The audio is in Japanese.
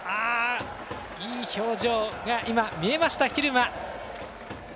いい表情が今、見えました、蛭間。